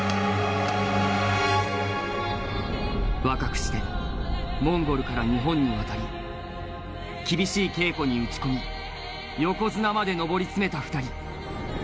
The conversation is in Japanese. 若くしてモンゴルから日本に渡り厳しい稽古に打ち込み横綱まで上り詰めた２人。